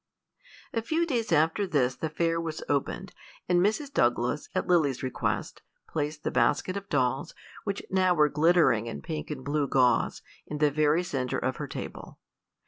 A few days after this the Fair was opened, and Mrs. Douglas, at Lily's request, placed the basket of dolls, which now were glittering in pink and blue gauze, in the very centre of her table.